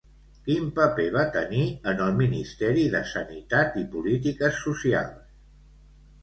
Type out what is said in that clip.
Quin paper va tenir en el Ministeri de Sanitat i Polítiques Socials?